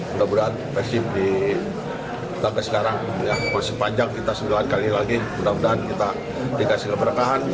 mudah mudahan persib sampai sekarang masih panjang kita sembilan kali lagi mudah mudahan kita dikasih keberkahan